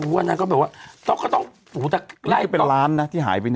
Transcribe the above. ไม่รู้ว่านั้นก็แบบว่าต้องก็ต้องหูดักไล่เป็นล้านน่ะที่หายไป